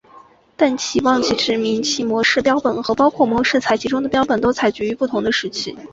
但其忘记指明其模式标本和包括模式采集中的标本都采集于不同的日期。